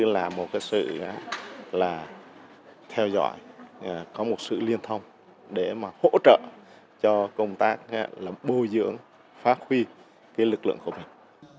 là một cái sự là theo dõi có một sự liên thông để mà hỗ trợ cho công tác là bồi dưỡng phát huy cái lực lượng của mình